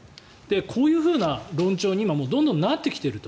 こういう論調に今どんどんなってきていると。